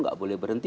gak boleh berhenti